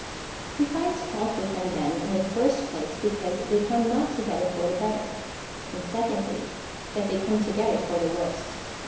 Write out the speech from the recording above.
He finds fault with them, then, in the first place, because they come not together for the better, — and secondly, that they C07rie together for the worse.